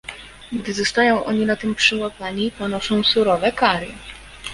Gdy zostają oni na tym przyłapani, ponoszą surowe kary